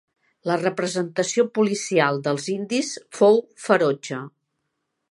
La repressió policial dels indis fou ferotge.